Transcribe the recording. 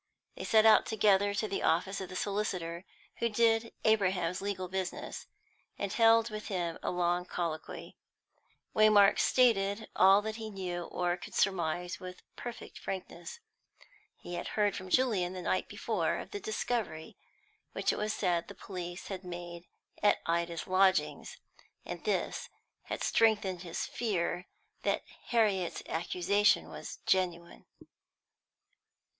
They set out together to the office of the solicitor who did Abraham's legal business, and held with him a long colloquy. Waymark stated all he knew or could surmise with perfect frankness. He had heard from Julian the night before of the discovery which it was said the police had made at Ida's lodgings, and this had strengthened his fear that Harriet's accusation was genuine.